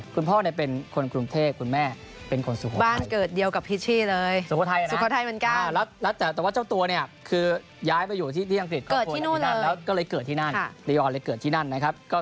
ขอบคุณครับ